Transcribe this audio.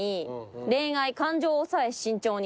恋愛「感情を抑え慎重に」